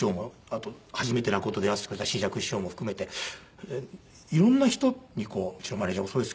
あと初めて落語と出合わせてくれた枝雀師匠も含めて色んな人にこううちのマネジャーもそうですけど。